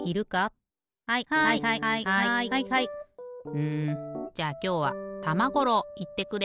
うんじゃあきょうは玉五郎いってくれ！